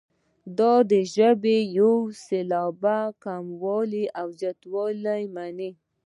دا ژبه یوازې د یو سېلاب کموالی او زیاتوالی مني.